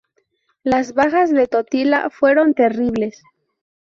Las bajas de Totila fueron terribles.